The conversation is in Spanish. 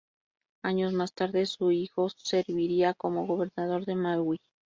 Años más tarde, su hijo serviría como gobernador de Maui.